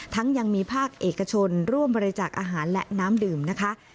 ยังมีภาคเอกชนร่วมบริจาคอาหารและน้ำดื่มนะคะ